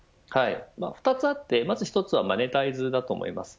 ２つあって、まず１つはマネタイズだと思います。